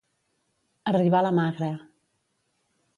Arribar la Magra.